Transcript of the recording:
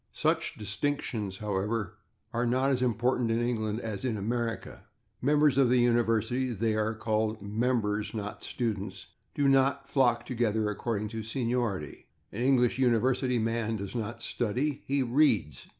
Such distinctions, however, are not as important in England as in America; members of the university (they are called [Pg105] /members/, not /students/) do not flock together according to seniority. An English university man does not /study/; he /reads